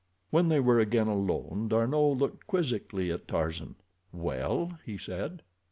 When they were again alone D'Arnot looked quizzically at Tarzan. "Well?" he said.